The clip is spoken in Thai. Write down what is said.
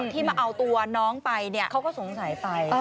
ที่มาเอาตัวน้องไปเขาก็สงสัยไป